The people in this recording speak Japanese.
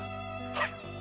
はい。